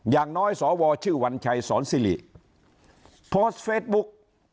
อย่างน้อยสวชื่อวัญชัยสอนซิริโพสต์เฟสบุ๊ก